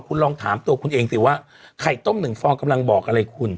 คุณลองถามตัวคุณเองสิว่าไข่ต้มหนึ่งฟองกำลังบอกอะไรคุณ